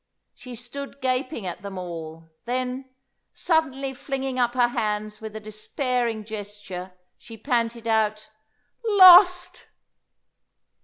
She stood gaping at them all; then, suddenly flinging up her hands with a despairing gesture, she panted out, "Lost!"